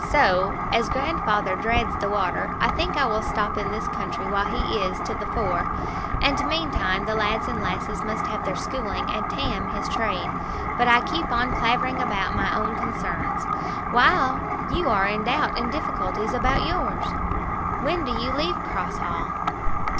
So, as grandfather dreads the water, I think I will stop in this country while he is to the fore, and meantime the lads and lasses must have their schooling and Tam his trade. But I keep on clavering about my own concerns, while you are in doubt and difficulties about yours. When do you leave Cross Hall?"